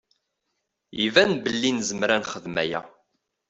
Iban belli nezmer ad nexdem aya.